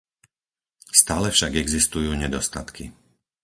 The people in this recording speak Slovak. Stále však existujú nedostatky.